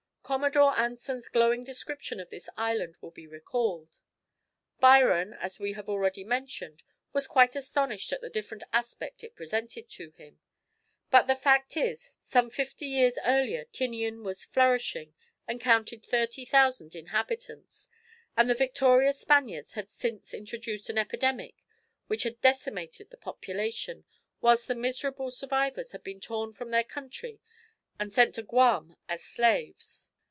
Commodore Anson's glowing description of this island will be recalled. Byron, as we have already mentioned, was quite astonished at the different aspect it presented to him. But the fact is, some fifty years earlier Tinian was flourishing and counted thirty thousand inhabitants, and the victorious Spaniards had since introduced an epidemic which had decimated the population, whilst the miserable survivors had been torn from their country and sent to Guaham as slaves.